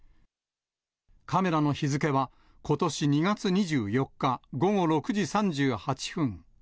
カメラの日付は、ことし２月２４日午後６時３８分。